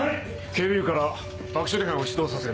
警備部から爆処理班を出動させる。